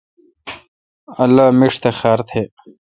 اللہ میݭ تہ خار تہ۔